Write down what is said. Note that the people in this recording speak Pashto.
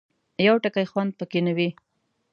یو ټکی خوند پکې نه وي.